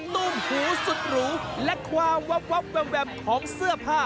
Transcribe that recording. นุ่มหูสุดหรูและความวับแวมของเสื้อผ้า